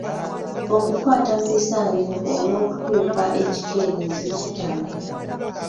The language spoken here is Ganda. Okukwata mu bisaaniiko olw’okutuuka ekikeerezi kitama.